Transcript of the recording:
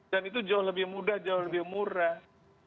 itu jauh lebih mudah jauh lebih murah